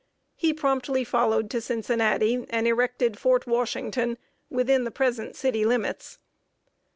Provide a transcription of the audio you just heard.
He promptly followed to Cincinnati, and erected Fort Washington within the present city limits.